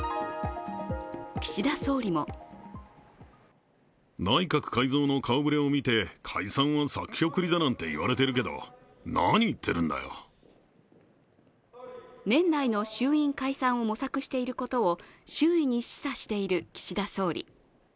岸田総理も年内の衆院解散を模索していることを周囲に示唆している岸田総理。